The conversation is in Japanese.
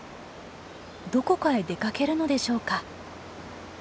どこかへ出かけるのでしょうか？